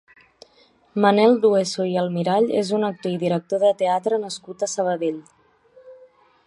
Manel Dueso i Almirall és un actor i director de teatre nascut a Sabadell.